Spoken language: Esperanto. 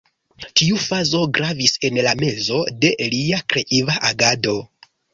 Tiu fazo gravis en la mezo de lia kreiva agado.